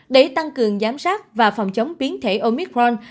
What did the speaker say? để tăng cường giám sát và phòng chống biến thể omicron